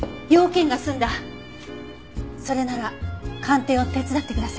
それなら鑑定を手伝ってください。